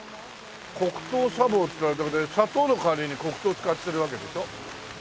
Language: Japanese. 黒糖茶房って砂糖の代わりに黒糖使ってるわけでしょ？